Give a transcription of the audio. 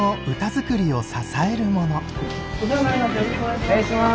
お願いします。